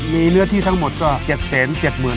มีเนื้อที่ทั้งหมดก็๗๐๗๐วร้ายเศษ